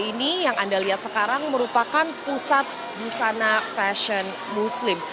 ini yang anda lihat sekarang merupakan pusat busana fashion muslim